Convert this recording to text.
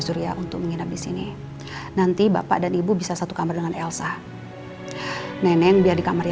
surya untuk menginap disini nanti bapak dan ibu bisa satu kamar dengan elsa nenek biar di kamar